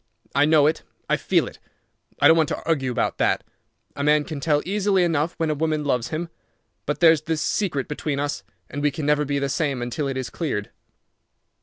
I know it. I feel it. I don't want to argue about that. A man can tell easily enough when a woman loves him. But there's this secret between us, and we can never be the same until it is cleared."